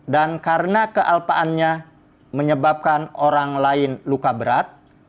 dan karena kealpaannya menyebabkan orang lain luka berat